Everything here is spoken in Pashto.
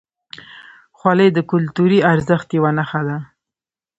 خولۍ د کلتوري ارزښت یوه نښه ده.